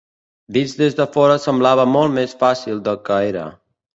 Vist des de fora semblava molt més fàcil del que era.